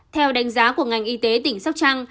theo đánh giá của ngành y tế tỉnh sóc trăng